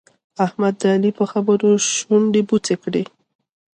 احمد د علي په خبرو شونډې بوڅې کړې.